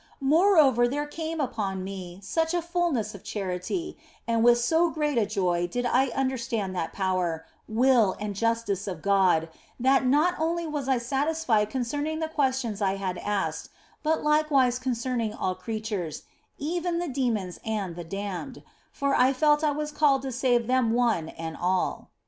Moreover there came upon me such a fulness of charity, and with so great a joy did I under stand that power, will, and justice of God, that not only was I satisfied concerning the questions I had asked, but likewise concerning all creatures, even the demons and the damned, for I felt I was called to save them one and all.